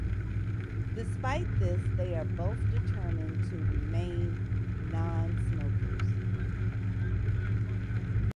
Despite this, they are both determined to remain non-smokers.